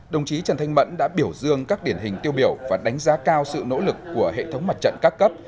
đồng chí trần thanh mẫn đã biểu dương các điển hình tiêu biểu và đánh giá cao sự nỗ lực của hệ thống mặt trận các cấp